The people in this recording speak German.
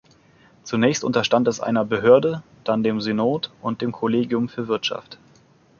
Zunächst unterstand es einer Behörde, dann dem Synod und dem Kollegium für Wirtschaft.